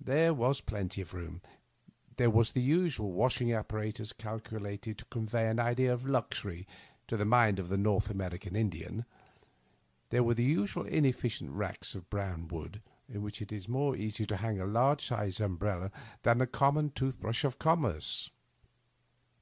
There was plenty of room ; there was the usual washing apparatus, calculated to convey an idea of luxury to the mind of a Korth American Indian ; there were the usual inefficient racks of brown wood, in which it is more easy to hang a large sized umbrella than the common tooth brush of conmierce.